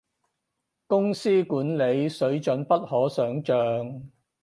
公司管理，水準不可想像